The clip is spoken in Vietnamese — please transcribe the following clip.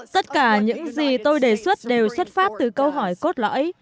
tất cả những gì tôi đề xuất đều xuất phát từ câu hỏi cốt lõi